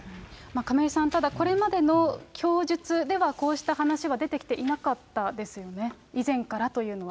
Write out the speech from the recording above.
亀井さん、ただこれまでの供述ではこうした話は出てきていなかったですよね、以前からというのは。